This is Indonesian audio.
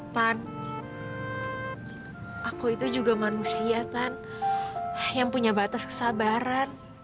pan aku itu juga manusia kan yang punya batas kesabaran